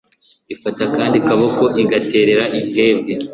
ifata akandi kaboko igatererera imbwebwe